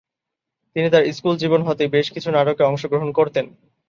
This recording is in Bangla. তিনি তাঁর স্কুল জীবন হতেই বেশ কিছু নাটকে অংশগ্রহণ করতেন।